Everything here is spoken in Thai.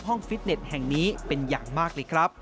ฟิตเน็ตแห่งนี้เป็นอย่างมากเลยครับ